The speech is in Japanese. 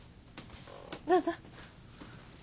どうぞ。